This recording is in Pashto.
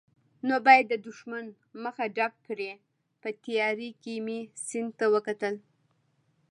نو باید د دښمن مخه ډب کړي، په تیارې کې مې سیند ته وکتل.